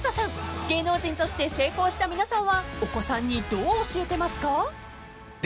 ［芸能人として成功した皆さんはお子さんにどう教えてますか？］